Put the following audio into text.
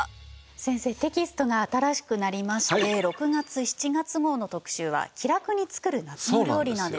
先生テキストが新しくなりまして６月７月号の特集は「気楽につくる夏の料理」なんですよね。